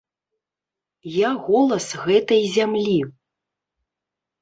Я голас гэтай зямлі.